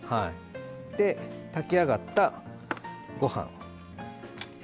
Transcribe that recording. で、炊き上がったご飯。